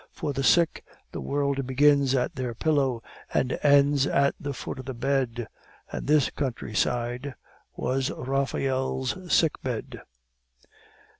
For the sick, the world begins at their pillow and ends at the foot of the bed; and this countryside was Raphael's sick bed.